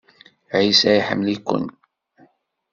Ɛisa iḥemmel-iken.